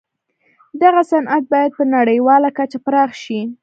دغه صنعت بايد په نړيواله کچه پراخ شي.